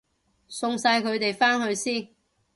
送晒佢哋返去先